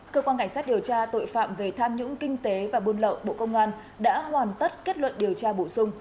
cơ quan cảnh sát điều tra tội phạm về tham nhũng kinh tế và buôn lậu bộ công an đã hoàn tất kết luận điều tra bổ sung